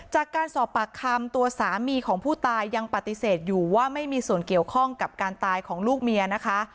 จากการสอบปากคำตัวสามีของผู้ตายยังปฏิเสธอยู่ว่าไม่มีส่วนเกี่ยวข้องกับการตายของลูกเมียนะคะ